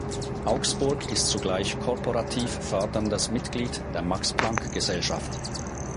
Augsburg ist zugleich „Korporativ Förderndes Mitglied“ der Max-Planck-Gesellschaft.